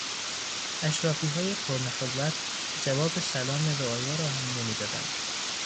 اشرافیهای پرنخوت که جواب سلام رعایا را هم نمیدادند